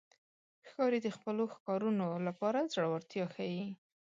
ښکاري د خپلو ښکارونو لپاره زړورتیا ښيي.